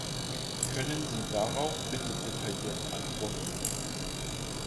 Können Sie darauf bitte detailliert antworten?